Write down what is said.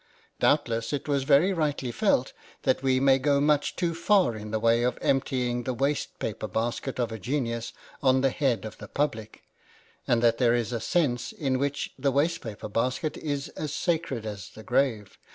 Doubtless it was very rightly felt that we may go much too far in the way of emptying the waste paper basket of a genius on the head of the public ; and that there is a sense in which the waste paper basket is as sacred as the grave.